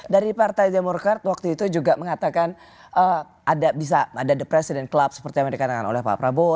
dari partai demokrat waktu itu juga mengatakan bisa ada the president club seperti yang dikatakan oleh pak prabowo